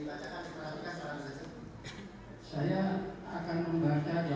saudara saya akan menyanyi